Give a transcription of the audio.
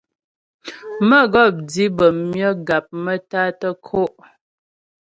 Mə́gɔp di bəm myə gap maə́tá tə́ kǒ'.